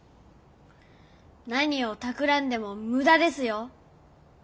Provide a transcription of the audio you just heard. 何をたくらんでも無駄ですよ！